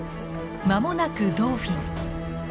間もなくドーフィン。